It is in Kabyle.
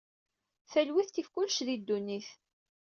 Talwit tif kullec di ddunit.